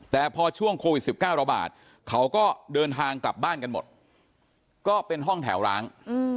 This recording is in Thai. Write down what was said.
แต่พอช่วงโควิด๑๙ระบาดเขาก็เดินทางกลับบ้านกันหมดก็เป็นห้องแถวร้าง